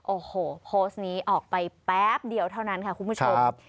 โอ้โหโพสต์นี้ออกไปแป๊บเดียวเท่านั้นค่ะคุณผู้ชม